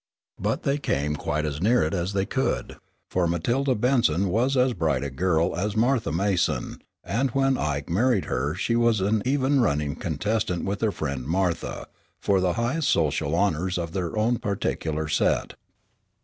But they came quite as near it as they could, for Matilda Benson was as bright a girl as Martha Mason, and when Ike married her she was an even running contestant with her friend, Martha, for the highest social honors of their own particular set.